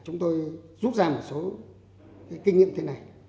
chúng tôi rút ra một số kinh nghiệm thế này